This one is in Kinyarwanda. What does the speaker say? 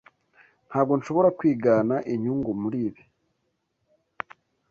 Ntabwo nshobora kwigana inyungu muri ibi.